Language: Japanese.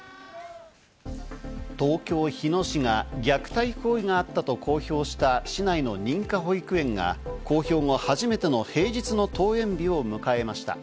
東京・日野市が虐待行為があったと公表した市内の認可保育園が公表後、初めての平日の登園日を迎えました。